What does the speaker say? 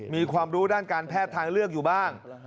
มีความรู้ด้านการแพทย์ทางเลือกอยู่บ้าง